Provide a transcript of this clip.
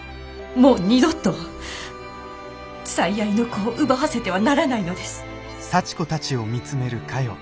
もう二度と最愛の子を奪わせてはならないのです」。